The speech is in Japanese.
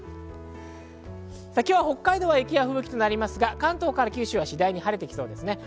今日は北海道は雪や吹雪となりますが、関東から九州は次第に晴れてきそうです。